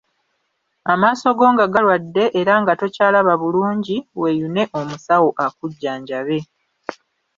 Amaaso go nga galwadde, era nga tokyalaba bulungi, weeyune omusawo akujjanjabe.